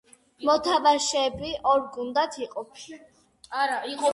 მოთამაშეები ორ გუნდად იყოფოდნენ.